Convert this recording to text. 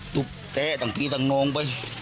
ตุ๊กเท่าไอ้ตางพี่ตางนองไป